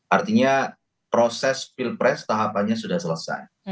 artinya proses pilpres tahapannya sudah selesai